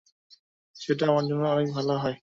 সেটা আমার জন্য অনেক ভালো হয়।